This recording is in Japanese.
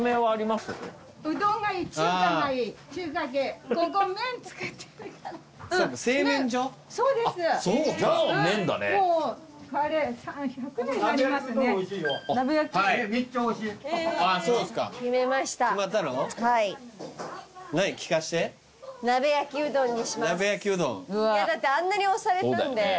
あんなに押されたんで。